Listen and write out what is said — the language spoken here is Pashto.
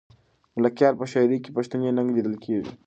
د ملکیار په شاعري کې پښتني ننګ لیدل کېږي.